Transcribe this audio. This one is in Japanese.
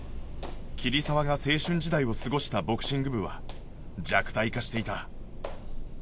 桐沢が青春時代を過ごしたボクシング部は弱体化していた